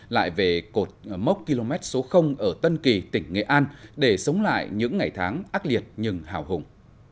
lại về cột mốc km số ở tân kỳ tỉnh nghệ an để sống lại những ngày tháng ác liệt nhưng hào hùng